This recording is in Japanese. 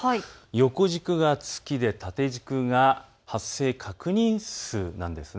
横軸が月で縦軸が発生確認数なんです。